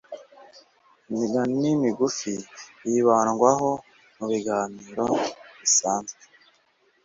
imiganiimigufi yibandwaho mu biganiro bisanzwe